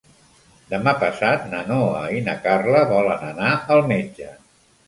Demà passat na Noa i na Carla volen anar al metge.